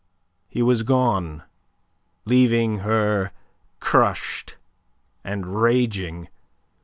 He was gone leaving her crushed and raging.